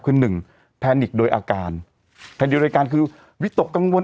คือหนึ่งแพนิกโดยอาการแผ่นเดียวรายการคือวิตกกังวล